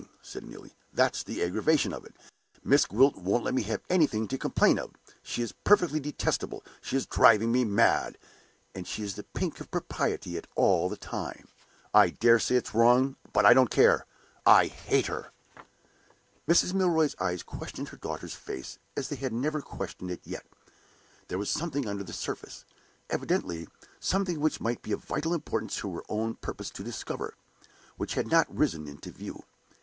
said Neelie. "That's the aggravation of it. Miss Gwilt won't let me have anything to complain of. She is perfectly detestable; she is driving me mad; and she is the pink of propriety all the time. I dare say it's wrong, but I don't care I hate her!" Mrs. Milroy's eyes questioned her daughter's face as they had never questioned it yet. There was something under the surface, evidently something which it might be of vital importance to her own purpose to discover which had not risen into view.